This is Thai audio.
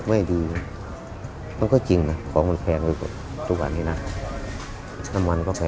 มันก็จริงนะของมันแพงเลยทุกวันนี้นะน้ำมันก็แพงอะไรก็แพง